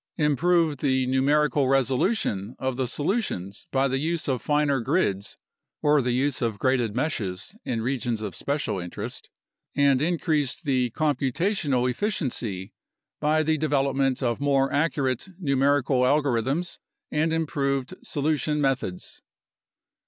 Improve the numerical resolution of the solutions by the use of finer grids (or the use of graded meshes in regions of special interest) and increase the computational efficiency by the development of more accurate numerical algorithms and improved solution methods.